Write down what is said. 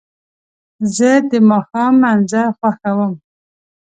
زه د ماښام منظر خوښوم.